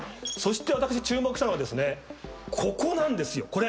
そして私注目したのがここなんですよ。